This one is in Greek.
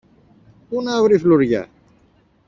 Πού να βρει φλουριά;